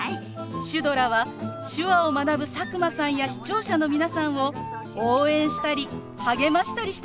シュドラは手話を学ぶ佐久間さんや視聴者の皆さんを応援したり励ましたりしてくれるんですよ。